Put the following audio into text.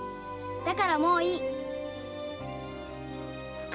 だからもういい。